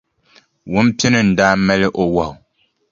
Wumpini n-daa mali o wahu.